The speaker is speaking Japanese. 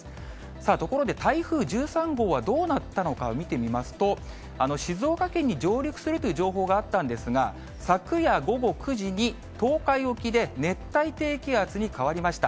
さあ、ところで台風１３号はどうなったのかを見てみますと、静岡県に上陸するという情報があったんですが、昨夜午後９時に、東海沖で熱帯低気圧に変わりました。